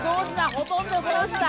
ほとんどどうじだ！